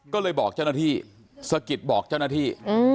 ก็เลยบอกเจ้าหน้าที่สะกิดบอกเจ้าหน้าที่